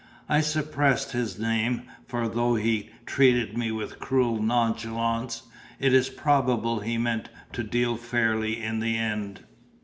I suppress his name; for though he treated me with cruel nonchalance, it is probable he meant to deal fairly in the end.